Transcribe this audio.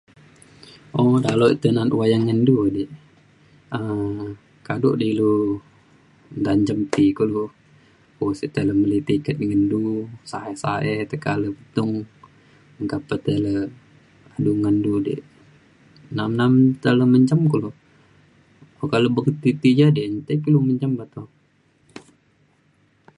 [unintelligible] um kado di ilou tai [unintelligible] enki kulo, sa'e-sa'e tekak [unintelligible] kulo [unintelligible]